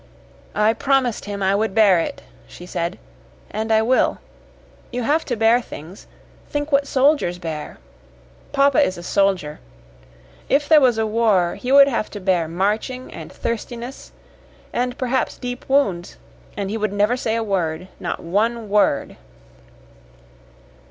"I promised him I would bear it," she said. "And I will. You have to bear things. Think what soldiers bear! Papa is a soldier. If there was a war he would have to bear marching and thirstiness and, perhaps, deep wounds. And he would never say a word not one word."